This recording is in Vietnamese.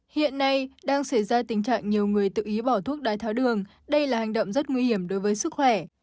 hiện nay đang xảy ra tình trạng nhiều người tự ý bỏ thuốc đái tháo đường đây là hành động rất nguy hiểm đối với sức khỏe